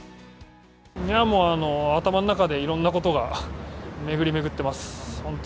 頭の中でいろんなことが巡り巡ってます。